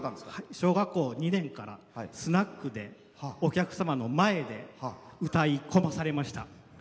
小学校２年からスナックでお客様の前で歌い込まされました。